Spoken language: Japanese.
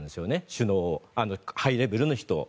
首脳、ハイレベルの人を。